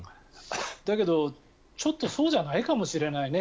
だけど、ちょっとそうじゃないかもしれないね。